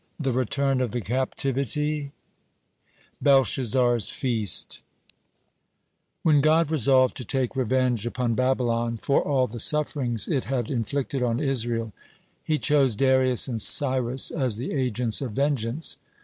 THE RETURN OF THE CAPTIVITY BELSHAZZAR'S FEAST When God resolved to take revenge upon Babylon for all the sufferings it had inflicted on Israel, He chose Darius and Cyrus as the agents of vengeance.